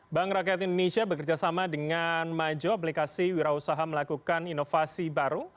bank rakyat indonesia bekerjasama dengan majo aplikasi wira usaha melakukan inovasi baru